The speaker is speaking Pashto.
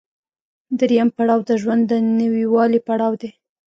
درېیم پړاو د ژوند د نويوالي پړاو دی